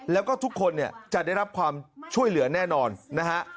แล้วก็ทุกคนเนี่ยจะได้รับความช่วยเหลือแน่นอนนะฮะ